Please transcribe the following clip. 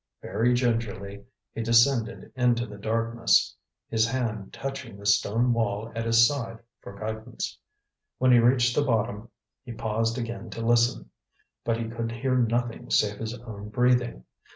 Very gingerly he descended into the darkness, his hand touching the stone wall at his side for guidance. When he reached the bottom, he paused again to listen. But he could hear nothing save his own breathing.